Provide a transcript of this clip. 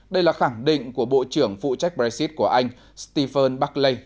đây là khẳng định của bộ trưởng phụ trách brexit của anh stephen buckley